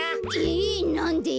えなんで？